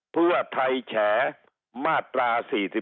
เพื่อไทยแฉมาตรา๔๔